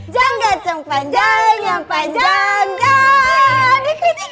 jangga jang panjang jang panjang jang